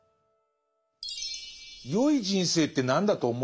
「よい人生って何だと思います？」